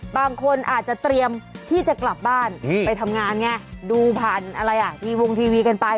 บางคนอาจจะเตรียมที่จะกลับบ้านไปทำงานไงดูผ่านอะไรอ่ะมีวงทีวีกันไป